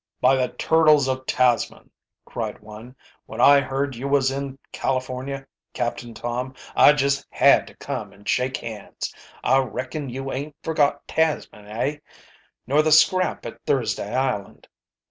"By the turtles of Tasman!" cried one, "when I heard you was in California, Captain Tom, I just had to come and shake hands. I reckon you ain't forgot Tasman, eh? nor the scrap at Thursday Island.